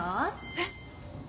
えっ？